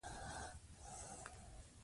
خپلې پيسې په کورنیو بانکونو کې وساتئ.